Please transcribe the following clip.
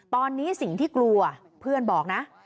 ตอนนี้สิ่งที่กลัวเพื่อนบอกนะ